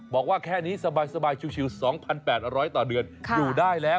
บอกว่าแค่นี้สบายชิว๒๘๐๐ต่อเดือนอยู่ได้แล้ว